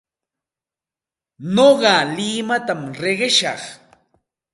Nuqa limatam riqishaq.